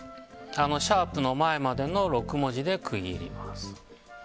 シャープの前までの６文字で区切ります。